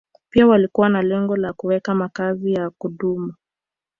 Pia walikuwa na lengo la kuweka makazi ya kudumu